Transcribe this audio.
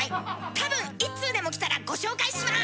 たぶん１通でも来たらご紹介します！